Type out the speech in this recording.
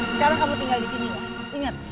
sekarang kamu tinggal di sini ingat